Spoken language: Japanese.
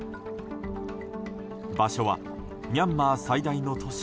場所は、ミャンマー最大の都市